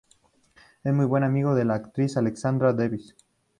Es muy buen amigo de la actriz Alexandra Davies.